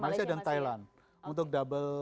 malaysia dan thailand